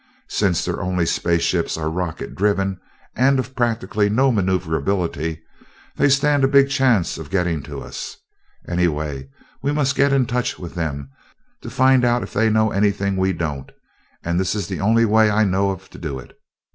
Since their only space ships are rocket driven, and of practically no maneuverability, they stand a big chance of getting to us. Anyway, we must get in touch with them, to find out if they know anything we don't, and this is the only way I know of to do it.